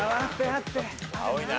青いな。